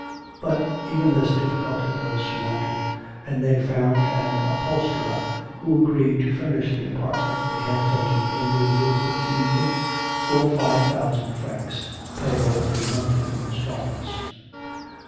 But even this difficulty was surmounted: and they found an upholsterer who agreed to furnish the apartment they had taken in the Rue Hauteville for five thousand francs, payable in monthly instalments.